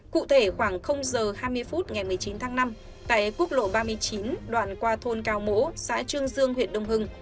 cụ thể khoảng h hai mươi phút ngày một mươi chín tháng năm tại quốc lộ ba mươi chín đoạn qua thôn cao mỗ xã trương dương huyện đông hưng